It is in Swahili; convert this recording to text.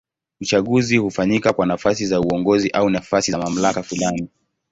Uchaguzi hufanyika kwa nafasi za uongozi au nafasi za mamlaka fulani.